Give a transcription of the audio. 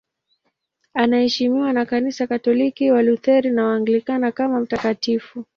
Anaheshimiwa na Kanisa Katoliki, Walutheri na Waanglikana kama mtakatifu.